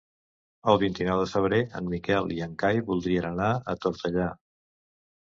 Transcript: El vint-i-nou de febrer en Miquel i en Cai voldrien anar a Tortellà.